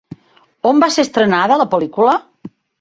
On va ser estrenada la pel·lícula?